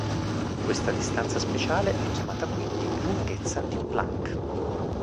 Questa distanza speciale è chiamata quindi lunghezza di Planck.